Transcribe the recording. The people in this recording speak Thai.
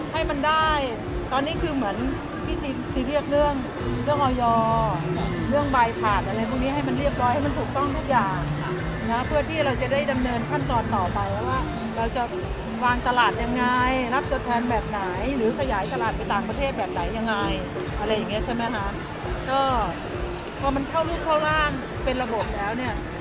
ให้มันได้ตอนนี้คือเหมือนพี่ซีเรียสเรื่องเรื่องออยเรื่องใบถาดอะไรพวกนี้ให้มันเรียบร้อยให้มันถูกต้องทุกอย่างนะเพื่อที่เราจะได้ดำเนินขั้นตอนต่อไปว่าเราจะวางตลาดยังไงรับตัวแทนแบบไหนหรือขยายตลาดไปต่างประเทศแบบไหนยังไงอะไรอย่างเงี้ยใช่ไหมคะก็พอมันเข้ารูปเข้าร่างเป็นระบบแล้วเนี่ย